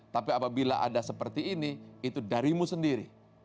tapi apabila ada seperti ini itu darimu sendiri